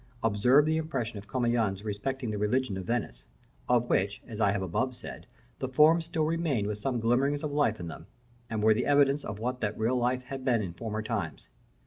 Observe, first, the impression of Commynes respecting the religion of Venice: of which, as I have above said, the forms still remained with some glimmering of life in them, and were the evidence of what the real life had been in former times.